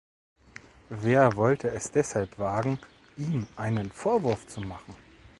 Wer wollte es deshalb wagen, ihm einen Vorwurf zu machen?